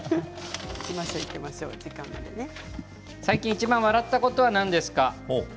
最近いちばん笑ったことは何ですか？